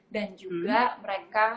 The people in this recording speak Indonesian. dan juga mereka